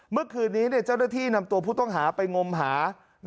เมื่อคืนนี้เจ้าหน้าที่นำตัวผู้ต้องหาไปงมหา